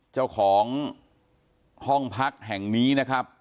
เจ้าของห้องพักแห่งนี้นะครับ